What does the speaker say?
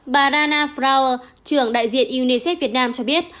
barana frauer trưởng đại diện unicef việt nam cho biết